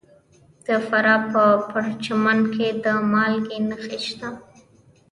د فراه په پرچمن کې د مالګې نښې شته.